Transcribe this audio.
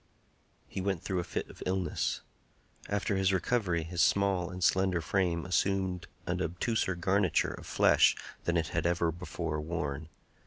He went through a fit of illness. After his recovery his small and slender frame assumed an obtuser garniture of flesh than it had ever before worn.